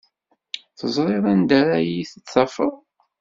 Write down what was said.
Teẓrid anda ara iyi-d-tafed.